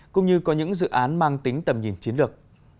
cũng như có những dự án mang tính tầm nhìn chiến lược